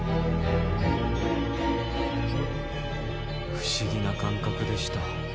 不思議な感覚でした。